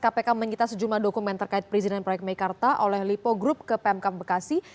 kpk menyita sejumlah dokumen terkait perizinan proyek meikarta oleh lipo group ke pemkap bekasi